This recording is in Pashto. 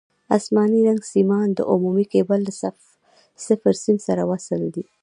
اسماني رنګ سیمان د عمومي کیبل له صفر سیم سره وصل دي.